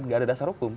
tidak ada dasar hukum